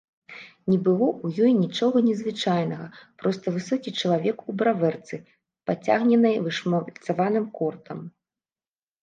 Не было ў ёй нічога незвычайнага, проста высокі чалавек у бравэрцы, пацягненай вышмальцаваным кортам.